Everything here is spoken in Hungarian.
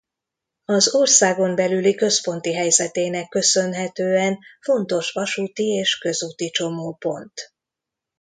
Az országon belüli központi helyzetének köszönhetően fontos vasúti és közúti csomópont.